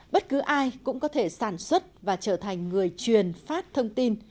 bất cứ ai cũng có thể sản xuất và trở thành người truyền phát thông tin